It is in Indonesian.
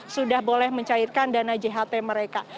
sudah boleh mencairkan dana jht mereka